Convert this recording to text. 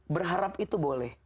berharap itu boleh